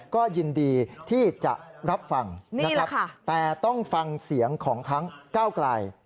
ก็ยินดีที่จะรับฟังแต่ต้องฟังเสียงของทั้งเก้ากลาย